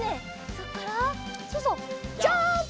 そこからそうそうジャンプ！